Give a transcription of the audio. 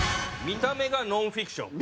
見た目がノンフィクション。